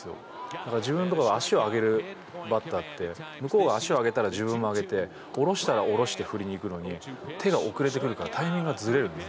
だから自分とかが足を上げるバッターって向こうが足を上げたら自分も上げて下ろしたら下ろして振りにいくのに手が遅れてくるからタイミングがずれるんですね。